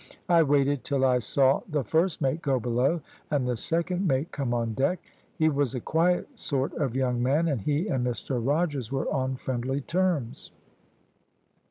I waited till I saw the first mate go below and the second mate come on deck. He was a quiet sort of young man, and he and Mr Rogers were on friendly terms.